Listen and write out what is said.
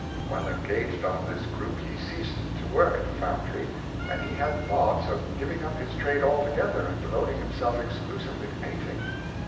While engaged on this group he ceased to work at the foundry, and he had thoughts of giving up his trade altogether and de voting himself exclusively to painting.